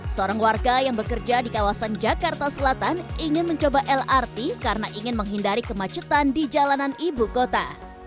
seorang warga yang bekerja di kawasan jakarta selatan ingin mencoba lrt karena ingin menghindari kemacetan di jalanan ibu kota